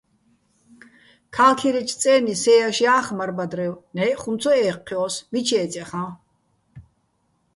ქა́ლქირეჩო̆ წე́ნი სეჼ ჲაშო̆ ჲა́ხე̆ მარ-ბადრევ, ნჵე́ჸ ხუმ ცო ე́ჴჴჲო́ს, მიჩ ჲე́წე̆ ჲახაჼ.